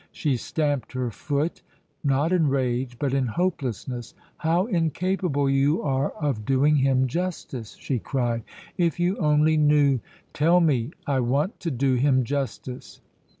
She stamped her foot, not in rage, but in hopelessness. "How incapable you are of doing him justice!" she cried. "If you only knew " "Tell me. I want to do him justice."